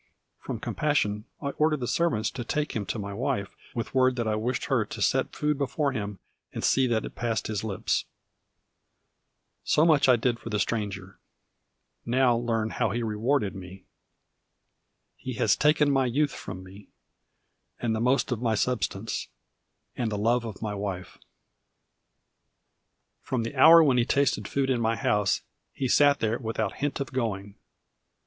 From compassion, I ordered the servants to take him to my wife, with word that I wished her to set food before him, and see that it passed his lips. So much I did for this Stranger. Now learn how he rewarded me. He has taken my youth from me, and the most of my substance, and the love of my wife. From the hour when he tasted food in my house, he sat there without hint of going.